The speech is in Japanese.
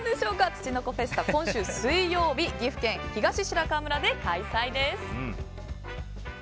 つちのこフェスタは今週水曜日岐阜県東白川村で開催です。